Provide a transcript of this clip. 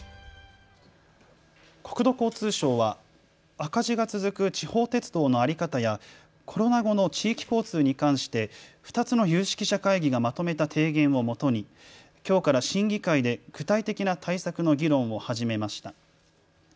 国土交通省は赤字が続く地方鉄道の在り方やコロナ後の地域交通に関して２つの有識者会議がまとめた提言をもとに、きょうから審議会で具体的な対策の議論を始めました。